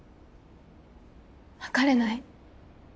別れない。